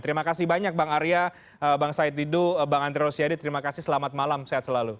terima kasih banyak bang arya bang said didu bang andre rosiade terima kasih selamat malam sehat selalu